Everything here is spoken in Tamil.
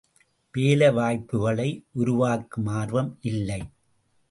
வேலை வாய்ப்புக்களை உருவாக்கும் ஆர்வம் இல்லை!